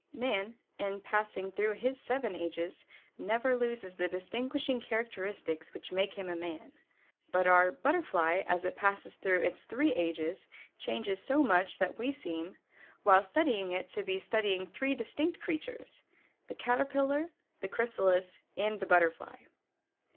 Man, in passing through his seven ages never loses the distinguishing characteristics which make him a man, but our Butterfly as it passes through its three ages changes so much that we seem, while studying it to be studying three distinct creatures the Caterpillar, the Chrysalis, and the Butterfly.